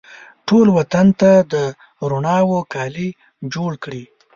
ټول وطن ته د روڼاوو کالي جوړکړي